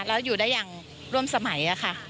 แล้วอยู่ได้อย่างร่วมสมัยค่ะ